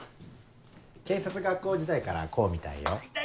警察学校時代からこうみたいよ。